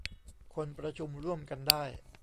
คนประชุมร่วมกันได้